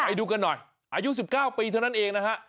ไปดูกันหน่อยอายุ๑๙ปีเท่านั้นเองนะฮะ